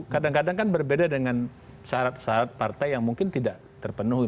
kadang kadang kan berbeda dengan syarat syarat partai yang mungkin tidak terpenuhi